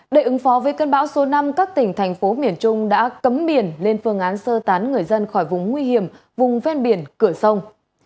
để ứng phó với cơn bão số năm các tỉnh thành phố miền trung đã cấm biển lên phương án sơ tán người dân khỏi vùng nguy hiểm vùng ven biển cửa sông